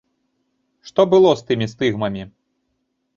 Што было з тымі стыгмамі?